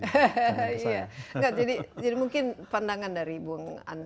iya jadi mungkin pandangan dari siapa